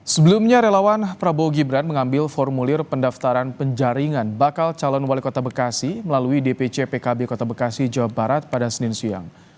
sebelumnya relawan prabowo gibran mengambil formulir pendaftaran penjaringan bakal calon wali kota bekasi melalui dpc pkb kota bekasi jawa barat pada senin siang